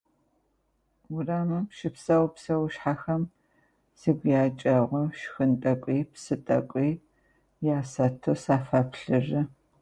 Урамым щыпсэу псэушъхьэхэм сыгу якӏэгъу, шхын тӏэкӏуи псы тӏэкӏуи ясэто сафэплъыры.